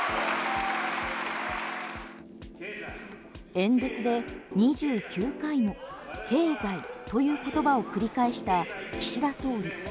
演説で２９回も経済という言葉を繰り返した岸田総理。